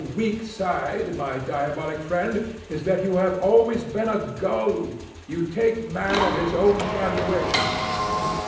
Your weak side, my diabolic friend, is that you have always been a gull: you take Man at his own valuation.